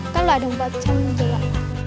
các loại động vật trong vùng gia đất bản